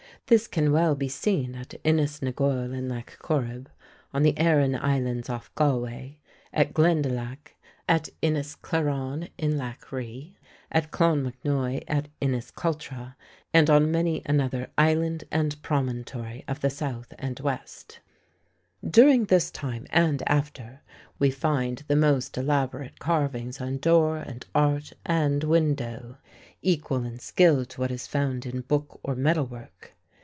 This can well be seen at Inis na ghoill in Lough Corrib, on the Aran Islands off Galway, at Glendalough, at Inis cleraun in Lough Ri, at Clonmacnois, at Iniscaltra, and on many another island and promontory of the south and west. During this time, and after, we find the most elaborate carvings on door and arch and window, equal in skill to what is found in book or metal work.